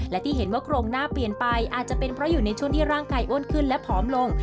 และที่เห็นว่าโครงหน้าเปลี่ยนไปอาจจะเป็นเพราะอยู่ในช่วงที่ร่างกายอ้วนขึ้นและผอมลง